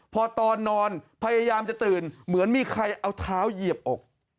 พอตอนนอนพยายามจะตื่นเหมือนมีใครเอาเท้าเหยียบอก